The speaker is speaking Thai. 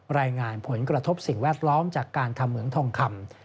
รายงานผลกระทบสิ่งแวดล้อมจากการทำเหมืองทองคำ